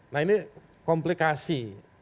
nah ini komplikasi